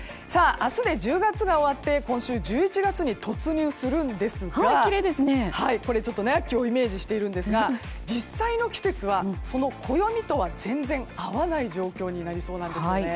明日で１０月が終わって今週、１１月に突入するんですがこれは今日はイメージしているんですが実際の季節は暦とは全然合わない状況になりそうなんですよね。